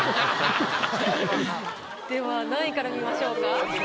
では何位から見ましょうか？